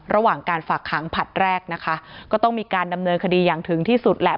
ระหว่างการฝากขังผลัดแรกนะคะก็ต้องมีการดำเนินคดีอย่างถึงที่สุดแหละ